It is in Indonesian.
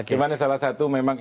cuman salah satu memang